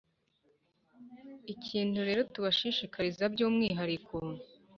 ikintu rero tubashishikariza by’umwihariko,